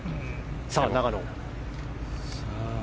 さあ、永野。